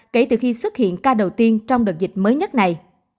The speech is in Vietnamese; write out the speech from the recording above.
kể từ khi xuất hiện ca đầu tiên trong đợt dịch mới nhất này